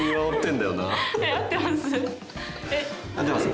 合ってます？